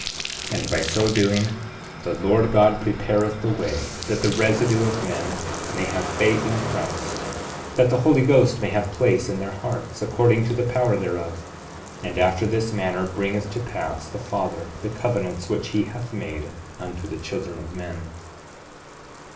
7:32 And by so doing, the Lord God prepareth the way that the residue of men may have faith in Christ, that the Holy Ghost may have place in their hearts, according to the power thereof; and after this manner bringeth to pass the Father, the covenants which he hath made unto the children of men.